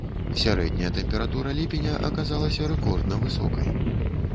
Сярэдняя тэмпература ліпеня аказалася рэкордна высокай.